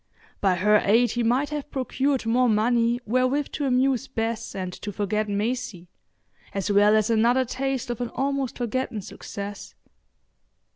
By her aid he might have procured more money wherewith to amuse Bess and to forget Maisie, as well as another taste of an almost forgotten success.